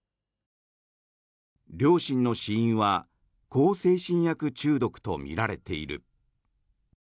両親の死因は向精神薬中毒とみられている。